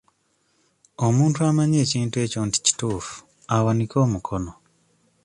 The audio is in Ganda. Omuntu amanyi ekintu ekyo nti kituufu awanike omukono.